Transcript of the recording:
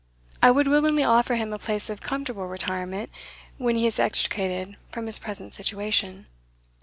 I would willingly offer him a place of comfortable retirement, when he is extricated from his present situation."